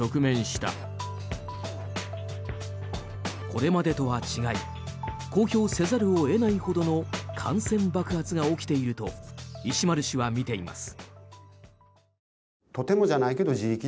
これまでとは違い公表せざるを得ないほどの感染爆発が起きていると石丸氏は見ています。